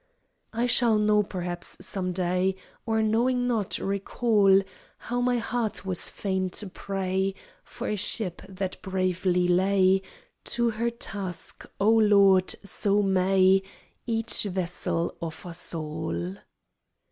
I shall know perhaps some day, Or, knowing not, recall How my heart was fain to pray For a ship that bravely lay To her task: O Lord, so may Each vessel of us all!